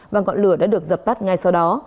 và ngọn lửa đã được dập tắt ngay sau đó